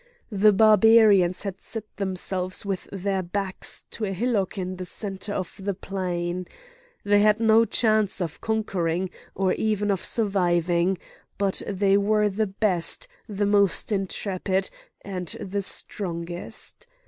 The Barbarians had set themselves with their backs to a hillock in the centre of the plain. They had no chance of conquering, or even of surviving; but they were the best, the most intrepid, and the strongest.